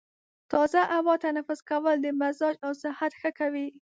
تازه هوا تنفس کول د مزاج او صحت ښه کوي.